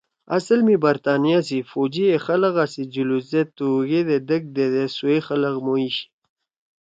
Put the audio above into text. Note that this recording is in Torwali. اصل می برطانیہ سی فوجی ئے خلَگا سی جلوس زید تُوہُوگ ئے دَک دیدے سوئے خلَگ موئی شی